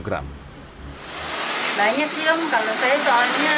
kalau saya soalnya